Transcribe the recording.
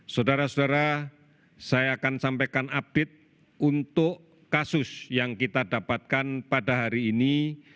saudara saudara saya akan sampaikan update untuk kasus yang kita dapatkan pada hari ini